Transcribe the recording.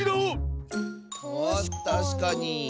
たしかに。